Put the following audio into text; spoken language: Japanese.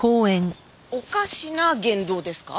おかしな言動ですか？